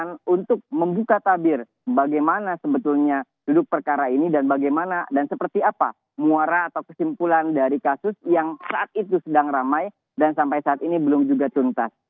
yang untuk membuka tabir bagaimana sebetulnya duduk perkara ini dan bagaimana dan seperti apa muara atau kesimpulan dari kasus yang saat itu sedang ramai dan sampai saat ini belum juga tuntas